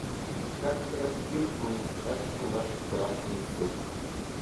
Как трактир, мне страшен ваш страшный суд!